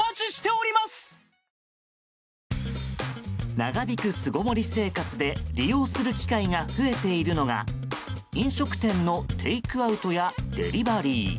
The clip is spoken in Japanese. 長引く巣ごもり生活で利用する機会が増えているのが飲食店のテイクアウトやデリバリー。